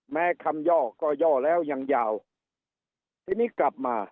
แม้คำย่อก็ย่อแล้วยังยาวทีนี้กลับมา